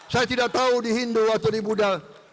saya tidak tahu di hindu atau di buddha